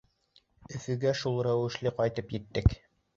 Өфөгә шул рәүешле ҡайтып еттек.